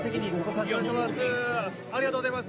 ありがとうございます。